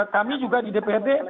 kami juga di dprd